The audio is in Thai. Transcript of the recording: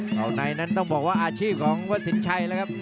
เราในนั้นต้องบอกว่าอาชีพของวัดสินชัยแล้วครับ